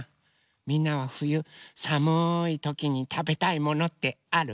みんなはふゆさむいときにたべたいものってある？